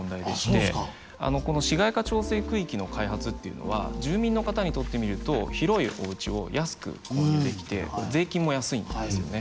この市街化調整区域の開発っていうのは住民の方にとってみると広いおうちを安く購入できて税金も安いんですよね。